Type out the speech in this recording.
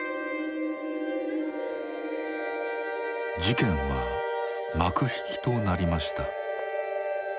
事件は幕引きとなりました。